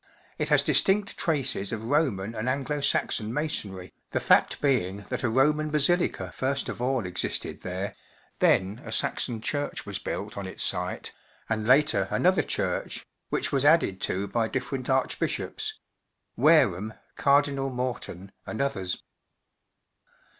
It has distinct traces of Roman and Anglo Saxon masonry, the fact being that a Roman basilica first of all existed there, then a Saxon church was built on its site, and later another church, which was added to by different Archbishops — Wareham, Cardinal Morton, and others.